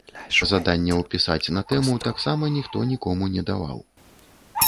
Заданняў пісаць на тэму таксама ніхто нікому не даваў.